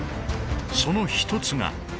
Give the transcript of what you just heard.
その一つが。